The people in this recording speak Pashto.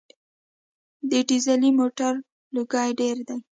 د ډیزلي موټر لوګی ډېر وي.